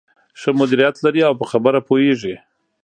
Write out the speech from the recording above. ښه مديريت لري او په خبره پوهېږې.